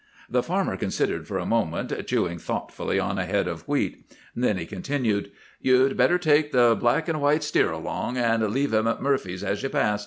"The farmer considered for a moment, chewing thoughtfully on a head of wheat. Then he continued, 'You'd better take the black an' white steer along, and leave him at Murphy's as you pass.